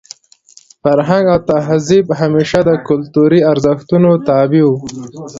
فرهنګ او تهذیب همېشه د کلتوري ارزښتونو تابع وو.